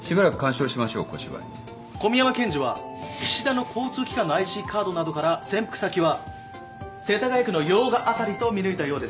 小宮山検事は岸田の交通機関のＩＣカードなどから潜伏先は世田谷区の用賀辺りと見抜いたようです。